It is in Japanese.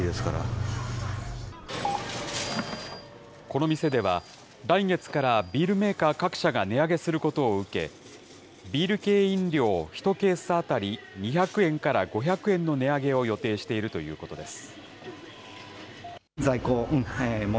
この店では、来月からビールメーカー各社が値上げすることを受け、ビール系飲料１ケース当たり２００円から５００円の値上げを予定しているということです。